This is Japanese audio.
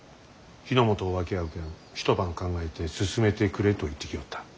日本を分け合う件一晩考えて進めてくれと言ってきおった。